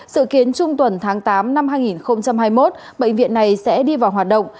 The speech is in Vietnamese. sự kiến trung tuần tháng tám năm hai nghìn hai mươi một bệnh viện này sẽ đi vào hoạt động